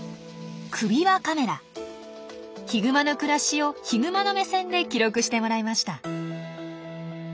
ヒグマの暮らしをヒグマの目線で記録してもらいました。